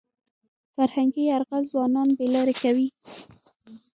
فرهنګي یرغل ځوانان بې لارې کوي.